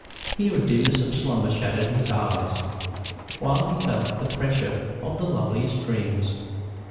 Here a dimness of slumber shadowed his eyes, while he felt the pressure of the loveliest dreams.